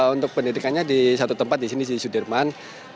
untuk pendidikannya di satu tempat di sini di sudirman